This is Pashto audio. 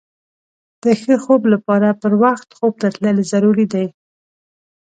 د ښه خوب لپاره پر وخت خوب ته تلل ضروري دي.